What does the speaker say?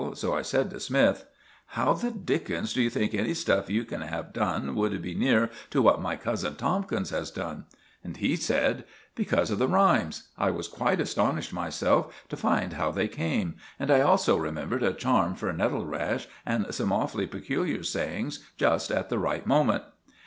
So I said to Smythe— "How the dickens d'you think any stuff you can have done would be near to what my cousin Tomkins has done?" And he said— "Because of the rhymes. I was quite astonished myself to find how they came; and I also remembered a charm for nettlerash, and some awfully peculiar sayings just at the right moment."